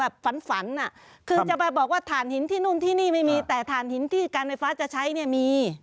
ฝันฝันอ่ะคือจะไปบอกว่าฐานหินที่นู่นที่นี่ไม่มีแต่ฐานหินที่การไฟฟ้าจะใช้เนี่ยมี